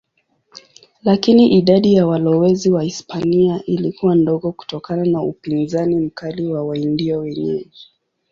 Lakini idadi ya walowezi Wahispania ilikuwa ndogo kutokana na upinzani mkali wa Waindio wenyeji.